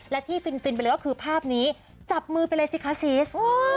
และที่ฟินไปเลยก็คือภาพนี้จับมือไปเลยสิคะซีส